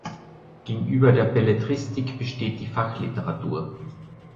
Gegenüber der Belletristik besteht die Fachliteratur.